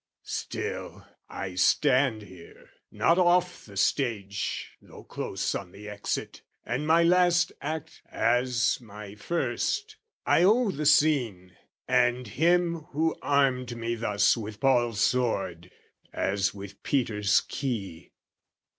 Still, I stand here, not off the stage though close On the exit: and my last act, as my first, I owe the scene, and Him who armed me thus With Paul's sword as with Peter's key.